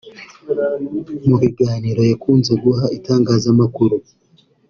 Mu biganiro yakunze guha itangazamakuru